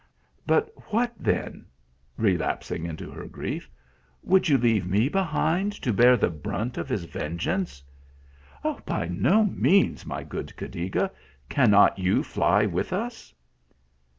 But what then" relapsing into her grief " would you leave me be hind to bear the brunt of his vengeance ?"" By no means, my good Cadiga. Cannot you fly with us?